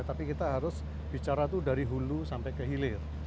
tapi kita harus bicara itu dari hulu sampai ke hilir